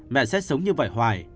mẹ sẽ sống như vậy hoài